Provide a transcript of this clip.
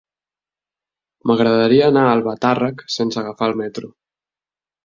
M'agradaria anar a Albatàrrec sense agafar el metro.